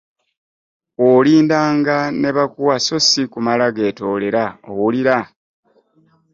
Olindanga ne bakuwa so si kumala geetoolera owulira?